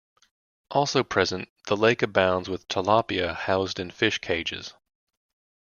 Also present, the lake abounds with tilapia housed in fish cages.